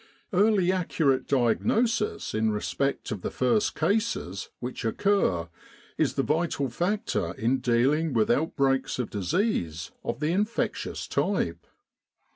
Early accurate diagnosis in respect of the first cases which occur is the vital factor in dealing with outbreaks of disease of the infectious type.